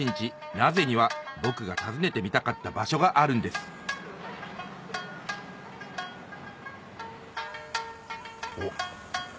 名瀬には僕が訪ねてみたかった場所があるんですおっ